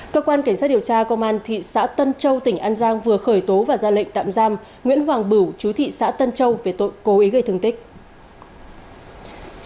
cơ quan cảnh sát điều tra công an thị xã tân châu tỉnh an giang vừa khởi tố và ra lệnh tạm giam nguyễn hoàng bửu chú thị xã tân châu về tội cố ý gây thương tích